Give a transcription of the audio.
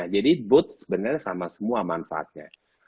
jadi both sebenarnya sama semua manfaatnya